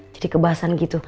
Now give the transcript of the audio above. jadi kebasan gitu